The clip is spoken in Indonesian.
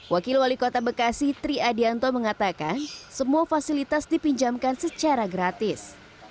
wakil wali kota bekasi tri adianto mengatakan semua fasilitas dipinjamkan secara gratis